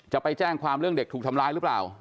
จะไปแจ้งความเรื่องเด็กถูกทำร้ายหรือเปล่า